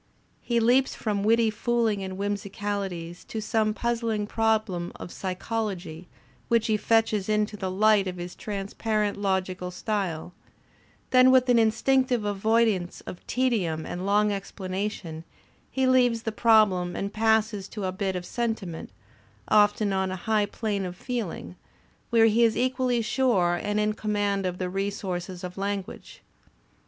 He leaps from witty fooling and whimsicalities to some puzzling problem of psychology which he fetches into the light of his transparent logical style; then with an instinc tive avoidance of tedium and long explanation, he leaves the problem and passes to a bit of sentiment, often on a high plane of feeling, where he is equally sure and in command of the resources of language.